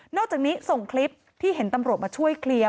อกจากนี้ส่งคลิปที่เห็นตำรวจมาช่วยเคลียร์